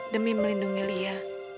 demi melindungi lia